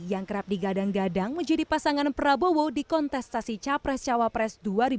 yang kerap digadang gadang menjadi pasangan prabowo di kontestasi capres cawapres dua ribu dua puluh